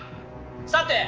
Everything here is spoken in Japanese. さて